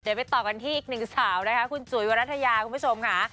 เดี๋ยวไปต่อกันที่อีกหนึ่งสาวนะคะคุณจุ๋ยวรัฐยาคุณผู้ชมค่ะ